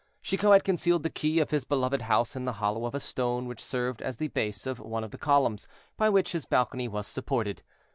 Chicot had concealed the key of his beloved house in the hollow of a stone which served as the base of one of the columns by which his balcony was supported.